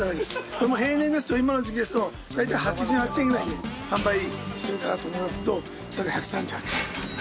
これも平年ですと今の時期ですと大体８８円ぐらいで販売するかなと思いますけどそれが１３８円っていう状態で。